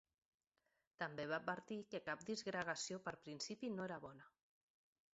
També va advertir que cap disgregació per principi no era bona.